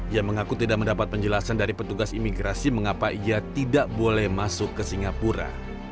ia mengaku tidak mendapat penjelasan dari petugas imigrasi mengapa ia tidak boleh masuk ke singapura